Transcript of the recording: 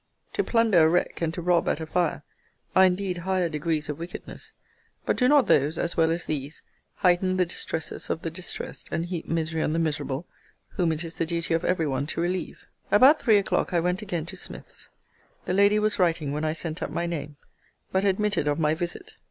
To plunder a wreck, and to rob at a fire, are indeed higher degrees of wickedness: but do not those, as well as these, heighten the distresses of the distressed, and heap misery on the miserable, whom it is the duty of every one to relieve? About three o'clock I went again to Smith's. The lady was writing when I sent up my name; but admitted of my visit.